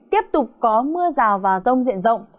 tiếp tục có mưa rào và rông diện rộng